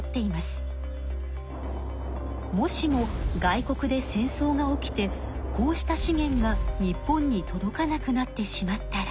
もしも外国で戦争が起きてこうした資源が日本に届かなくなってしまったら。